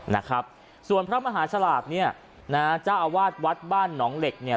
นะครับส่วนพระมหาฉลาดเนี่ยนะฮะเจ้าอาวาสวัดบ้านหนองเหล็กเนี่ย